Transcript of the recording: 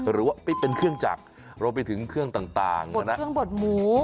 หรือว่าเป็นเครื่องจักรรวมไปถึงเครื่องต่างเครื่องบดหมู